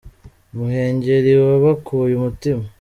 Umuhengerii wabakuye umutima